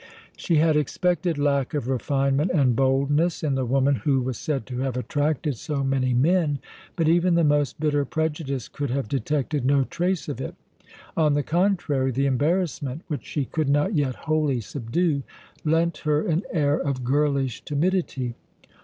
She had expected lack of refinement and boldness, in the woman who was said to have attracted so many men, but even the most bitter prejudice could have detected no trace of it. On the contrary, the embarrassment which she could not yet wholly subdue lent her an air of girlish timidity.